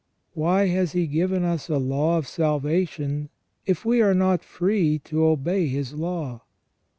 Why has He given us a law of salvation, if we are not free to obey His law